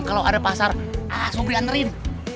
kalau ada pasar ah sobri anerin